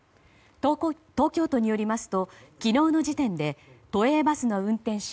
東京都によりますと昨日の時点で都営バスの運転士